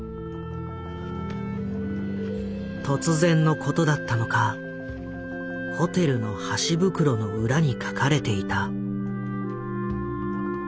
突然のことだったのかホテルの箸袋の裏に書かれていた。